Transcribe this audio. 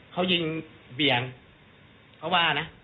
เขายิงเบี่ยงเขาว่านะ